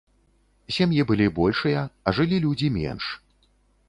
Сем'і былі большыя, а жылі людзі менш.